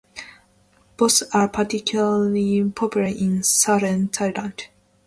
Both are particularly popular in southern Thailand.